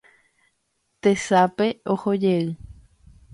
Tesape ohojey